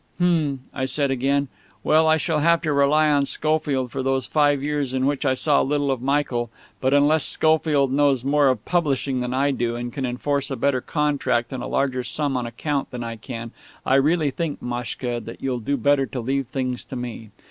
"Hm!" I said again. "Well, I shall have to rely on Schofield for those five years in which I saw little of Michael; but unless Schofield knows more of publishing than I do, and can enforce a better contract and a larger sum on account than I can, I really think, Maschka, that you'll do better to leave things to me.